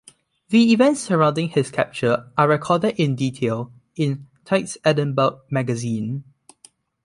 The events surrounding his capture are recorded in detail in "Tait's Edinburgh Magazine".